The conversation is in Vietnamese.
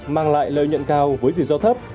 mang lại lời nhận cao với rủi ro thấp